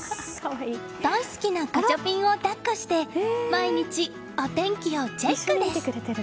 大好きなガチャピンをだっこして毎日お天気をチェックです。